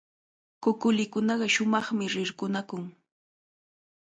Kukulikunaqa shumaqmi rirqunakun.